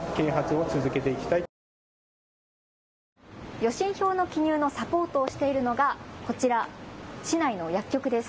予診票の記入をサポートをしているのがこちら、市内の薬局です。